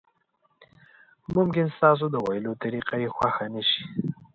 ممکن ستاسو د ویلو طریقه یې خوښه نشي.